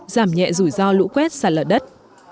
giảm nhẹ rủi ro lũ quét sản lửa đất